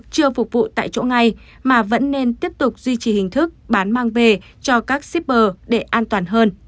chưa phục vụ tại chỗ ngay mà vẫn nên tiếp tục duy trì hình thức bán mang về cho các shipper để an toàn hơn